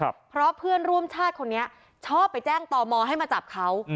เพราะเพื่อนร่วมชาติคนนี้ชอบไปแจ้งต่อมอให้มาจับเขา